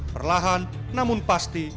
perlahan namun pasti